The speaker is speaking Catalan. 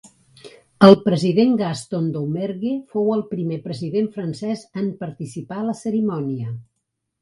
El president Gaston Doumergue fou el primer president francès en participar a la cerimònia.